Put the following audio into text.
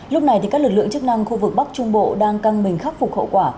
lúc này các lực lượng chức năng khu vực bắc trung bộ đang căng mình khắc phục hậu quả